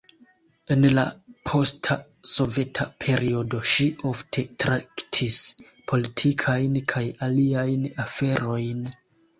En la posta soveta periodo ŝi ofte traktis politikajn kaj aliajn aferojn.